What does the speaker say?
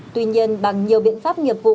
tuy nhiên bằng nhiều biện pháp nghiệp vụ